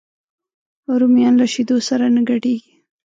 رومیان له شیدو سره نه ګډېږي